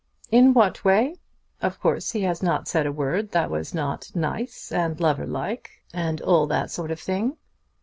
"In what way? Of course he has not said a word that was not nice and lover like, and all that sort of thing.